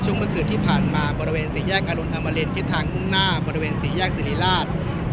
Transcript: ขึ้นมูลแต่ผลลักษณะพวกคุณจากทศหรือสหรัฐ